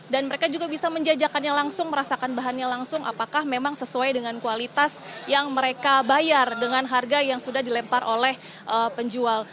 dan mereka juga bisa menjajakannya langsung merasakan bahannya langsung apakah memang sesuai dengan kualitas yang mereka bayar dengan harga yang sudah dilempar oleh penjual